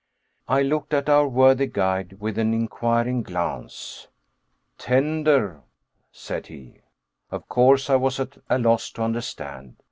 I looked at our worthy guide with an inquiring glance. "Tander," said he. Of course I was at a loss to understand.